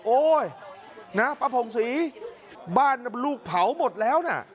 โอ๊ยนะป้าผ่องศรีบ้านลูกเผาหมดแล้วนะ